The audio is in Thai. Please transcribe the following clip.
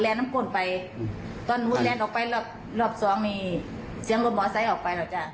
แล้วทำไมถึงทำไมถึงห้องตาม